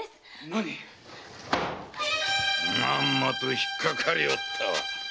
何⁉まんまとひっかかりおったわ。